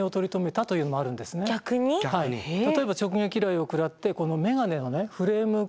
例えば直撃雷を食らってこの眼鏡のフレームから